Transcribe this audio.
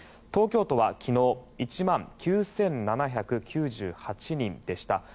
東京都は昨日１万９７９８人でした。